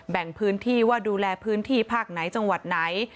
แบ่งพื้นที่ว่าดูแลพื้นที่ภาคไหนจังหวัดไหน